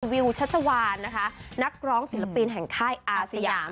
วิวชัชวานนักร้องสินลปรีนแห่งค่ายอาเซียม